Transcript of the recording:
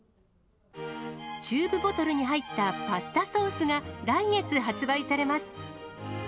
チューブボトルに入ったパスタソースが来月発売されます。